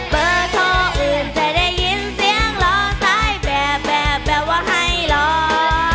เบอร์โทรอื่นจะได้ยินเสียงรอซ้ายแบบแบบว่าให้รอ